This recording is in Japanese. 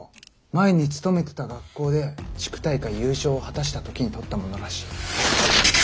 前に勤めてた学校で地区大会優勝を果たした時に撮ったものらしい。